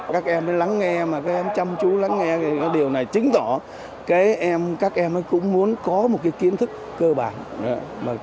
các em lắng nghe chăm chú lắng nghe điều này chứng tỏ các em cũng muốn có một kiến thức cơ bản